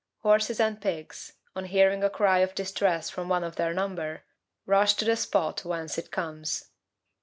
Horses and pigs, on hearing a cry of distress from one of their number, rush to the spot whence it comes.